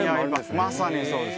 まさにそうです